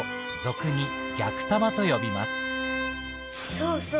そうそう